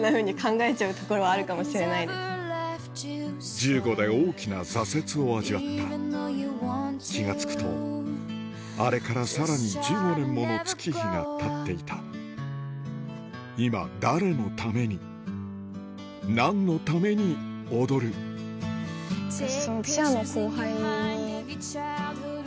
１５で大きな挫折を味わった気が付くとあれからさらに１５年もの月日がたっていた今誰のために何のために踊るあぁ。